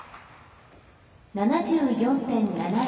７４．７０。